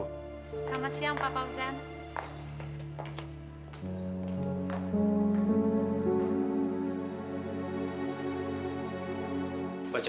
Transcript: selamat siang pak fawzan